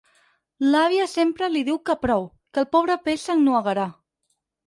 L'àvia sempre li diu que prou, que el pobre peix s'ennuegarà.